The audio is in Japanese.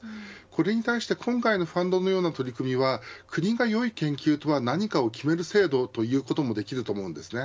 これに対して、今回のファンドのような取り組みは国がよい研究とは何かを決める制度ともいえます。